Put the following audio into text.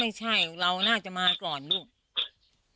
อยากให้โดนกันอยากให้มาแบบว่าโดนโดนจับแบบไม่ออก